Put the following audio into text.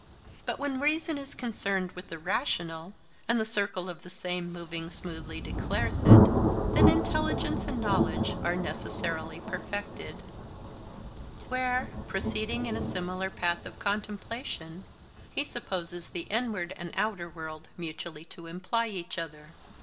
But when reason is concerned with the rational, and the circle of the same moving smoothly declares it, then intelligence and knowledge are necessarily perfected;' where, proceeding in a similar path of contemplation, he supposes the inward and the outer world mutually to imply each other.